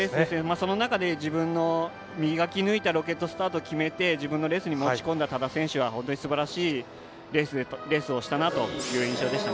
その中で自分が磨きぬいたロケットスタートを決めて自分のレースに持ち込んだ多田選手は本当にすばらしいレースをしたなという印象でした。